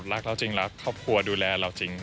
รักเราจริงรักครอบครัวดูแลเราจริง